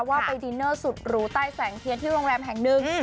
ว่าไปดินเนอร์สุดหรูใต้แสงเทียนที่โรงแรมแห่งหนึ่ง